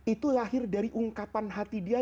itu lahir dari ungkapan hati dia